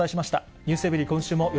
ｎｅｗｓｅｖｅｒｙ．今週もよ